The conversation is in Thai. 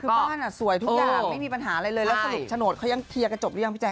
คือบ้านสวยทุกอย่างไม่มีปัญหาอะไรเลยแล้วสรุปโฉนดเขายังเคลียร์กันจบหรือยังพี่แจ